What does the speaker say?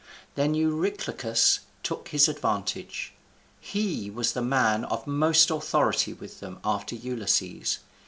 Then Eurylochus took his advantage. He was the man of most authority with them after Ulysses.